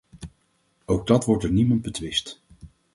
Ook dat wordt door niemand betwist.